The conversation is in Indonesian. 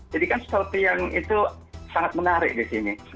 jadi kan seperti yang itu sangat menarik di sini